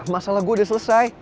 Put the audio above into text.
masalah gue udah selesai